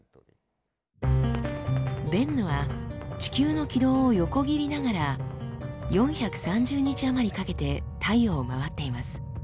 ベンヌは地球の軌道を横切りながら４３０日余りかけて太陽を回っています。